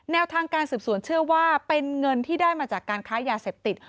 แนวทางการสืบสวนเชื่อว่าเป็นเงินที่ได้มาจากการค้ายาเสพติด